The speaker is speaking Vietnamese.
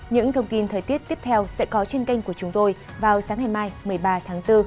những thông tin thời tiết tiếp theo sẽ có trên kênh của chúng tôi vào sáng ngày mai một mươi ba tháng bốn